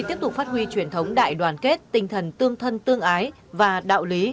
tiếp tục phát huy truyền thống đại đoàn kết tinh thần tương thân tương ái và đạo lý